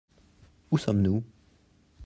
Où sommes-nous ?